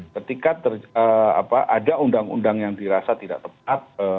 ketika ada undang undang yang dirasa tidak tepat